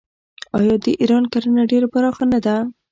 آیا د ایران کرنه ډیره پراخه نه ده؟